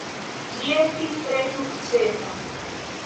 Ĝi estis tre sukcesa.